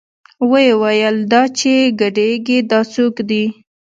ويې ويل دا چې ګډېګي دا سوک دې.